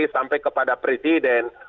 sampai kepada presiden